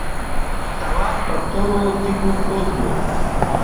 تواب پر تورو تیږو پروت و.